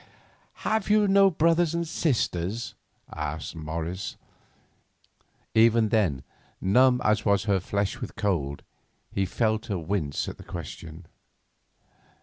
"Have you no brothers or sisters?" asked Morris. Even then, numb as was her flesh with cold, he felt her wince at the question.